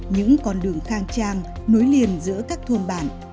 những con đường khang trang nối liền giữa các thôn bản